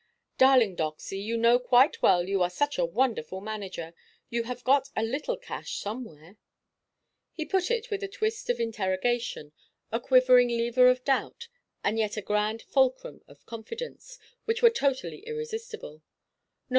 "Darling Doxy, you know quite well you are such a wonderful manager; you have got a little cash somewhere?" He put it with a twist of interrogation, a quivering lever of doubt, and yet a grand fulcrum of confidence, which were totally irresistible.